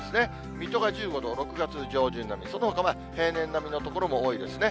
水戸が１５度、６月上旬並み、そのほか平年並みの所も多いですね。